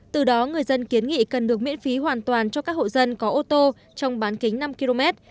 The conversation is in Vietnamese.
từ đó người dân kiến nghị cần được miễn phí hoàn toàn cho các hộ dân có ô tô trong bán kính năm km